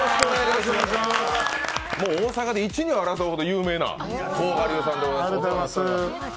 大阪で１２を争うほど有名な甲賀流さんです。